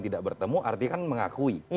tidak bertemu artinya kan mengakui